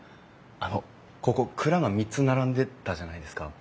あのここ蔵が３つ並んでたじゃないですか。